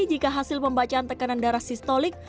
jika hasil pembacaan tekanan darah sistolik